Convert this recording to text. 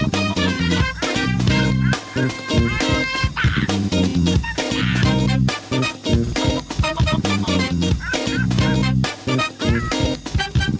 ถากเชื่อโปรสติศอำนาจพิวเซียว